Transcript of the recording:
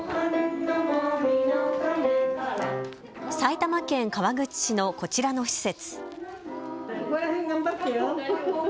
埼玉県川口市のこちらの施設。